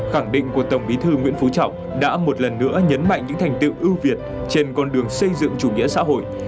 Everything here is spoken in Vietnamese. khẳng định của tổng bí thư nguyễn phú trọng đã một lần nữa nhấn mạnh những thành tựu ưu việt trên con đường xây dựng chủ nghĩa xã hội